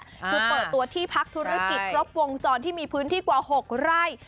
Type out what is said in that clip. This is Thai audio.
คือเปิดตัวที่พักธุรกิจครบวงจรที่มีพื้นที่กว่า๖ไร่